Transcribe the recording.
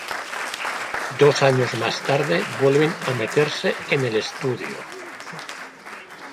Dos años más tarde vuelven a meterse en el estudio.